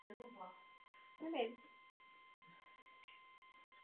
Ze začátku sedmdesátých let působil krátce jako válečný zpravodaj ve Vietnamu v Saigonu.